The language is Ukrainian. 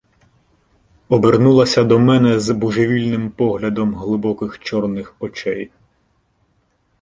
Обернулася до мене з божевільним поглядом глибоких чорних очей.